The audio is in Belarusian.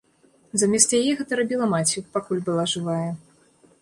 Замест яе гэта рабіла маці, пакуль была жывая.